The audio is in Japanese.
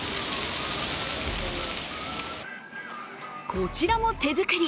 こちらも、手作り。